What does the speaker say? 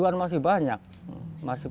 iksan masih banyak kebutuhan